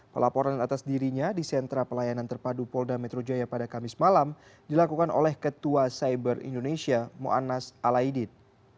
pelaporan atas dirinya di sentra pelayanan terpadu polda metro jaya pada kamis malam dilakukan oleh ketua cyber indonesia ⁇ muannas ⁇ alaidit